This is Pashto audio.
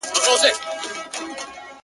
ما به کیسه درته کول، راڅخه ورانه سوله!!